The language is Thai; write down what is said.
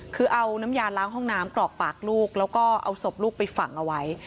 คือเอาน้ำยาล้างห้องน้ำกรอกปากลูกแล้วก็เอาศพลูกไปฝังเอาไว้